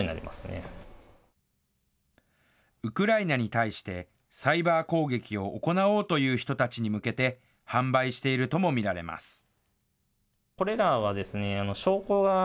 ウクライナに対して、サイバー攻撃を行おうという人たちに向けて、販売しているとも見られます。